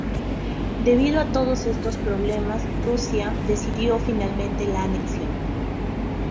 Debido a todos estos problemas, Rusia decidió finalmente la anexión.